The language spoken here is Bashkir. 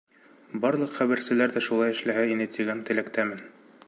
Барлыҡ хәбәрселәр ҙә шулай эшләһә ине тигән теләктәмен.